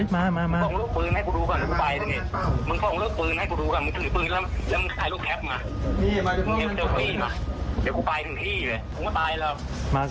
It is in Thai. มามาค่ะ